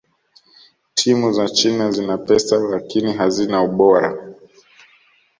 timu za china zina pesa lakini hazina ubora